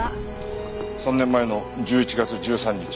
３年前の１１月１３日。